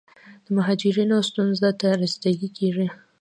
د مهاجرینو ستونزو ته رسیدګي کیږي.